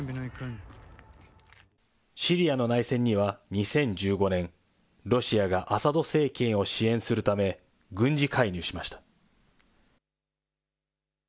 シリアの内戦には２０１５年、ロシアがアサド政権を支援するため、軍事介入しました。